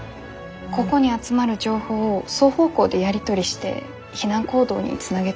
ここに集まる情報を双方向でやり取りして避難行動につなげたいんです。